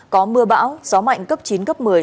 có mưa bão gió mạnh cấp chín cấp một mươi